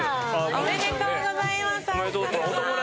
ありがとうございます。